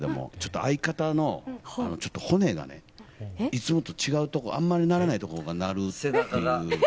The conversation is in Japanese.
相方の骨がねいつもと違うところあまり鳴らないところが鳴るという。